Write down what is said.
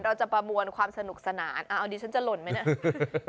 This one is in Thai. ประมวลความสนุกสนานเอาดิฉันจะหล่นไหมเนี่ย